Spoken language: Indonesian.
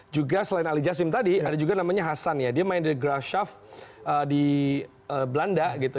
juga selain ali jasim tadi ada juga namanya hasan ya dia main di grasshaft di belanda gitu